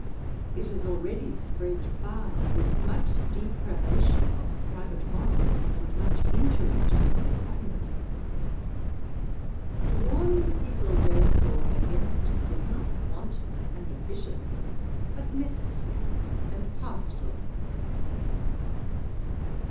It has already spread far, with much depravation of private morals, and much injury to publick happiness. To warn the people, therefore, against it was not wanton and officious, but necessary and pastoral.